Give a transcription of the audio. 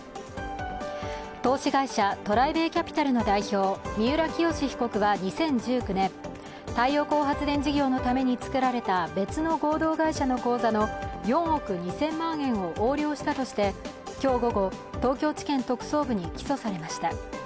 投資会社、トライベイ・キャピタルの代表・三浦清志被告は２０１９年太陽光発電事業のために作られた別の合同会社の口座の４億２０００万円を横領したとして今日午後、東京地検特捜部に起訴されました。